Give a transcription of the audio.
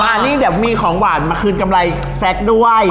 อันนี้เดี๋ยวมีของหวานมาคืนกำไรแซคด้วย